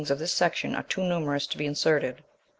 Of this section are too numerous to be inserted.